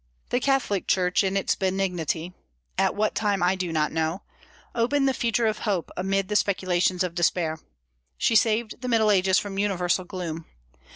The Catholic Church, in its benignity, at what time I do not know, opened the future of hope amid the speculations of despair. She saved the Middle Ages from universal gloom.